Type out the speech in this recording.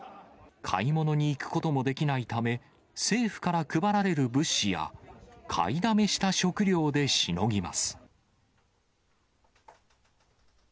買い物に行くこともできないため、政府から配られる物資や、買いだめした食料でしのぎます。